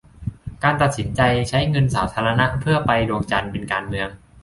การตัดสินใจใช้เงินสาธารณะเพื่อไปดวงจันทร์ เป็นการเมือง